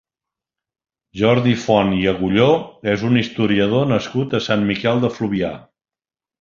Jordi Font i Agulló és un historiador nascut a Sant Miquel de Fluvià.